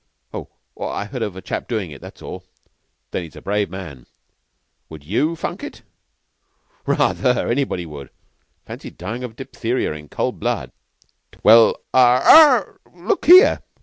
"Oh, I heard of a chap doin' it. That's all." "Then he's a brave man." "Would you funk it?" "Ra ather. Anybody would. Fancy dying of diphtheria in cold blood." "Well ah! Er! Look here!"